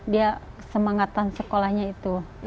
dia semangatan sekolahnya itu